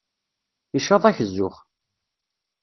Icaḍ-ak zzux.